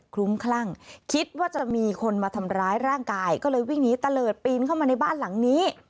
ลุ้มคลั่งคิดว่าจะมีคนมาทำร้ายร่างกายก็เลยวิ่งหนีตะเลิศปีนเข้ามาในบ้านหลังนี้